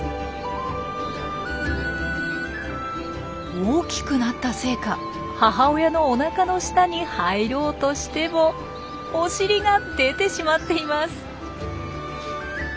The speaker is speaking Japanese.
大きくなったせいか母親のおなかの下に入ろうとしてもお尻が出てしまっています。